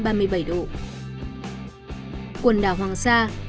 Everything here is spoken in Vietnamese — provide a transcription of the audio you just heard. quần đảo hoàng sa